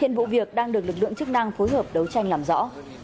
hiện vụ việc đang được lực lượng chức năng phối hợp đấu tranh làm rõ